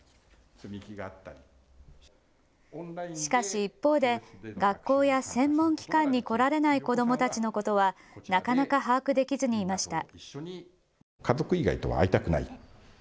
しかし、一方で学校や専門機関に来られない子どもたちのことはなかなか把握できずにいました。